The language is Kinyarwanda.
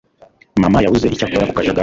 Mama yabuze icyo akora ku kajagari.